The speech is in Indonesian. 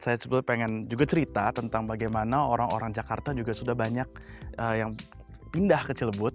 saya sebetulnya pengen juga cerita tentang bagaimana orang orang jakarta juga sudah banyak yang pindah ke cilebut